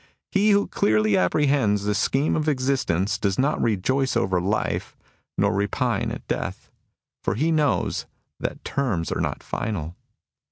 He who clearly apprehends the scheme of existence does not rejoice over life, nor repine at death ; for he knows that terms are not final.